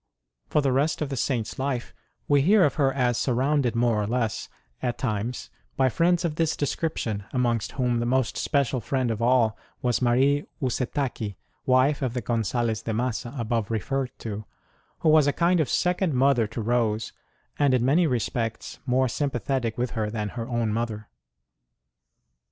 For the rest of the Saint s life, we hear of her as surrounded more or less, at times, by friends of this description, amongst whom the most special friend of all was Marie Usetaqui, wife of the Gonzalez de Massa above referred to, who was a kind of second mother to Rose and in many respects more sympathetic with her than her own mother.